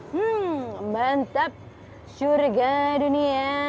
hmm mantap syurga dunia